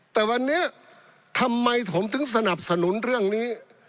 แต่วันนี้ทำไมผมถึงสนับสนุนเรื่องนี้